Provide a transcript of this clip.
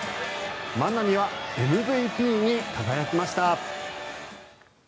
万波はＭＶＰに輝きました。